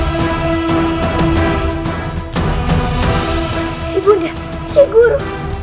si bunda si guru